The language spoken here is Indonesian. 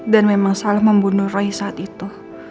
dan memang salah membunuh roy saat itu